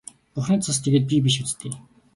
Бурхны цус тэгээд би биш биз дээ.